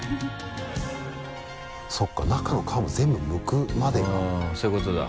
そうか中の皮も全部剥くまでかうんそういうことだ。